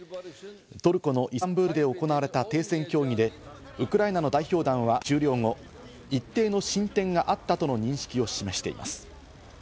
トルコのイスタンブールで行われた停戦協議でウクライナの代表団は終了後、一定の進展があったとの認識を示しています。